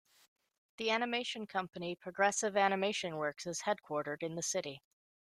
The animation company Progressive Animation Works is headquartered in the city.